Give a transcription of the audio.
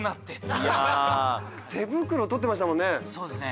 手袋取ってましたもんね。